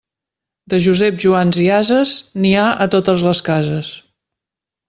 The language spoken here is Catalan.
De Joseps, Joans i ases, n'hi ha a totes les cases.